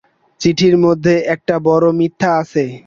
চিঠির মধ্যে একটা বড় মিথ্যা আছে।